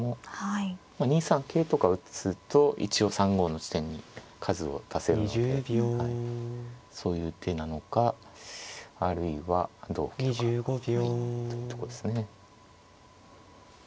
まあ２三桂とか打つと一応３五の地点に数を足せるのでそういう手なのかあるいはどう受けるかというとこですね。